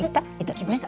きました。